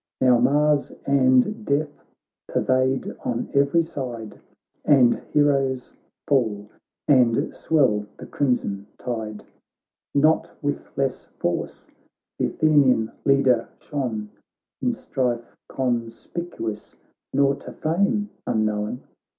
Now Mars and death pervade on every side, And heroes fall and swell the crimson tide. BOOK IV 27 Not with less force th' Athenian leader shone, In strife conspicuous, nor to fame un known.